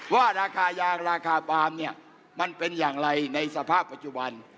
ว่าราคายางราคาปาล์มเนี่ยมันเป็นอย่างไรในสภาพปัจจุบัน